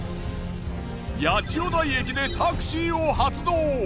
八千代台駅でタクシーを発動。